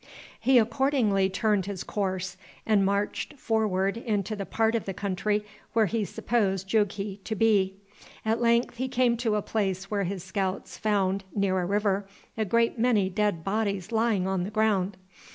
He accordingly turned his course, and marched forward into the part of the country where he supposed Jughi to be. At length he came to a place where his scouts found, near a river, a great many dead bodies lying on the ground.